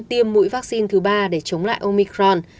tiêm mũi vaccine thứ ba để chống lại omicron